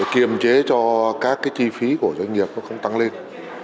kiềm chế cho các cái chi phí của doanh nghiệp nó không tăng lên